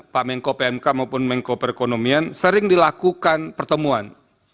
pak menko pmk maupun menko perekonomian sering dilakukan pertemuan